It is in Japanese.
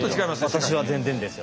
私は全然ですよ。